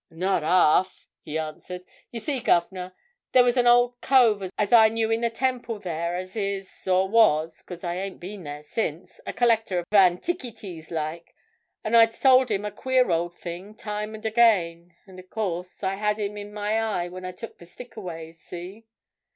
"Not half!" he answered. "You see, guv'nor, there was an old cove as I knew in the Temple there as is, or was, 'cause I ain't been there since, a collector of antikities, like, and I'd sold him a queer old thing, time and again. And, of course, I had him in my eye when I took the stick away—see?"